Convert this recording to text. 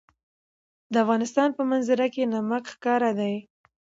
د افغانستان په منظره کې نمک ښکاره ده.